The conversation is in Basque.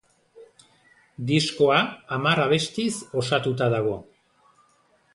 Diskoa hamar abestiz osatuta dago.